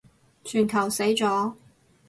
全球死咗